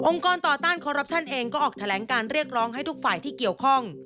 กรต่อต้านคอรัปชั่นเองก็ออกแถลงการเรียกร้องให้ทุกฝ่ายที่เกี่ยวข้อง